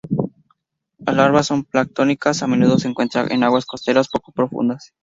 Las larvas son planctónicas, a menudo se encuentra en aguas costeras poco profundas.